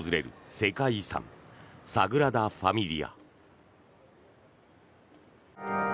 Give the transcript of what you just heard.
世界遺産サグラダ・ファミリア。